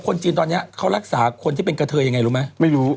คนจีนตอนนี้เขารักษาคนที่เป็นกระเทยยังไงรู้ไหมไม่รู้